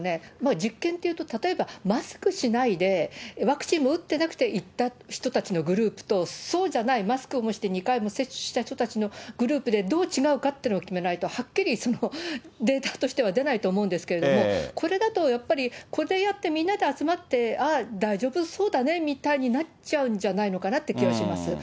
実験というと、例えばマスクしないで、ワクチンも打ってなくて行った人たちのグループと、そうじゃない、マスクもして２回も接種した人のグループでどう違うかっていうのを決めないと、はっきりそのデータとして出ないと思うんですけれども、これだとやっぱり、これやってみんなで集まって、ああ、大丈夫そうだねみたいになっちゃうんじゃないかなという気はします。